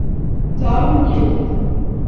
tau inyendet